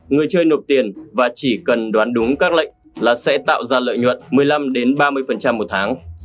người chơi nộp tiền và chỉ cần đoán đúng các lệnh là sẽ tạo ra lợi nhuận một mươi năm ba mươi một tháng